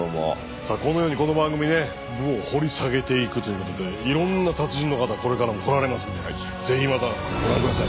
さあこのようにこの番組ね武を掘り下げていくということでいろんな達人の方これからも来られますんでぜひまたご覧下さい。